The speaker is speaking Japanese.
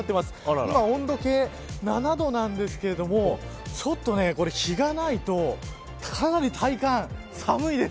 今、温度計７度なんですけれどもちょっと、日がないとかなり体感、寒いです。